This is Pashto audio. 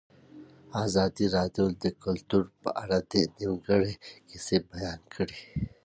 ازادي راډیو د کلتور په اړه د نېکمرغۍ کیسې بیان کړې.